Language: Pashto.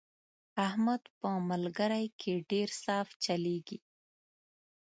احمد په ملګرۍ کې ډېر صاف چلېږي.